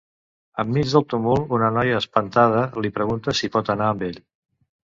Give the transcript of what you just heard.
Enmig del tumult, una noia espantada li pregunta si pot anar amb ell.